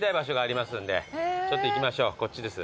ちょっと行きましょうこっちです。